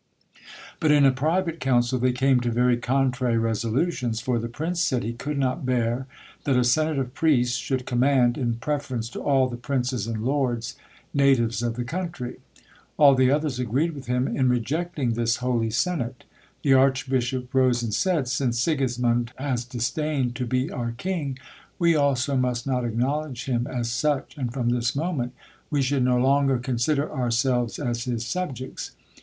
But in a private council, they came to very contrary resolutions: for the prince said, he could not bear that a senate of priests should command, in preference to all the princes and lords, natives of the country. All the others agreed with him in rejecting this holy senate. The archbishop rose, and said, "Since Sigismond has disdained to be our king, we also must not acknowledge him as such; and from this moment we should no longer consider ourselves as his subjects.